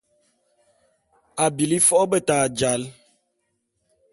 A bili fo’o beta jal .